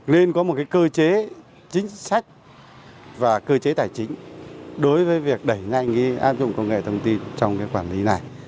nên có một cơ chế chính sách và cơ chế tài chính đối với việc đẩy nhanh áp dụng công nghệ thông tin trong cái quản lý này